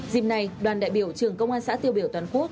dịp này đoàn đại biểu trường công an xã tiêu biểu toàn quốc